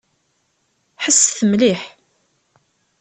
Ḥesset mliḥ.